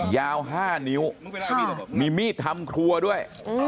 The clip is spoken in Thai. ยาว๕นิ้วมีมีดทำครัวด้วย